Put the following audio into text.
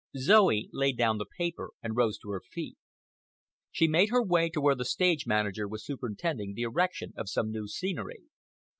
Zoe laid down the paper and rose to her feet. She made her way to where the stage manager was superintending the erection of some new scenery.